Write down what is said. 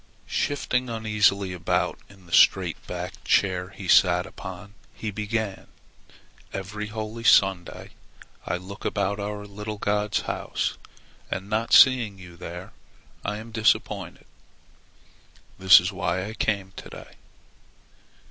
Shifting uneasily about in the straight backed chair he sat upon, he began: "Every holy day (Sunday) I look about our little God's house, and not seeing you there, I am disappointed. This is why I come today.